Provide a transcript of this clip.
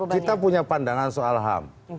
kita punya pandangan soal ham